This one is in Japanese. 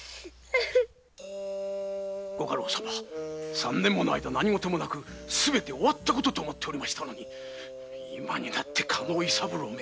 三年もの間何ごともなくすべて終ったと思っておりましたのに今になって加納伊三郎め。